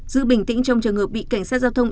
giữ bình tĩnh trong trường hợp bị cảnh sát giao thông